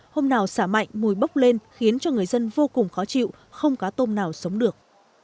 hôm nào xả mạnh mùi bốc lên khiến cho người dân vô cùng khó chịu không cá tôm nào sống được